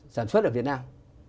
sản xuất ở việt nam